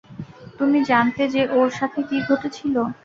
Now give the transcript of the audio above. তুমি জানতে যে ওর সাথে কী ঘটেছিল?